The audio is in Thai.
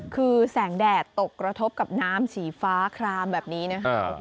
คือแสงแดดตกกระทบกับน้ำสีฟ้าคลามแบบนี้นะครับ